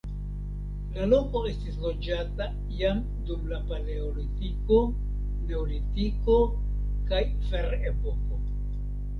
La loko estis loĝata jam dum la paleolitiko, neolitiko kaj ferepoko.